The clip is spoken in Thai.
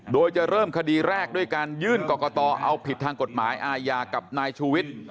โดยจะเริ่มคดีแรกด้วยการยื่นกรกตเอาผิดทางกฎหมายอาญากับนายชูวิทย์